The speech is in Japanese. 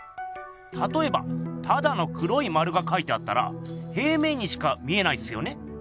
たとえばただの黒い丸がかいてあったら平面にしか見えないっすよね？